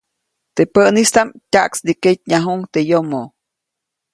Teʼ päʼnistaʼm tyaʼksniketnyajuʼuŋ teʼ yomo.